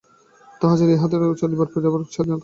তাহা ছাড়া ইহাদের বাড়ি চলিবার ফিরিবার স্বাধীনতা কই?